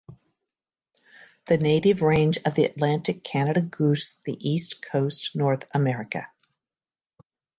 The native range of the Atlantic Canada goose the east coast North America.